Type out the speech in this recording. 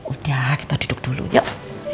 udah kita duduk dulu yuk